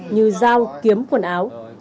như dao kiếm quần áo